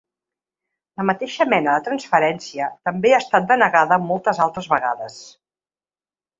La mateixa mena de transferència també ha estat denegada moltes altres vegades.